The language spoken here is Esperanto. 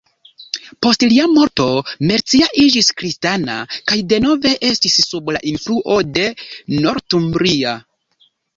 Post lia morto Mercia iĝis kristana, kaj denove estis sub la influo de Northumbria.